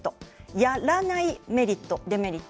やらないメリット、デメリット。